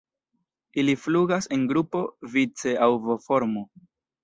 Ili flugas en grupo vice aŭ V-formo.